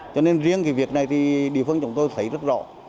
cho nên riêng cái việc này thì địa phương chúng tôi thấy rất rõ